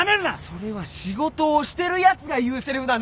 それは仕事をしてるやつが言うせりふだ。